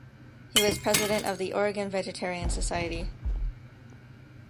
He was President of the Oregon Vegetarian Society.